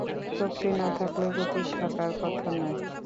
শক্তি না থাকলে গতি থাকার কথা নয়।